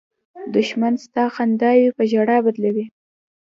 دښمن ستا خنداوې په ژړا بدلوي